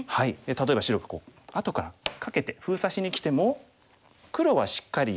例えば白が後からカケて封鎖しにきても黒はしっかりしている。